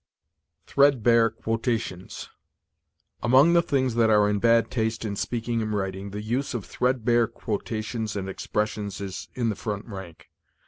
THREADBARE QUOTATIONS. Among the things that are in bad taste in speaking and writing, the use of threadbare quotations and expressions is in the front rank.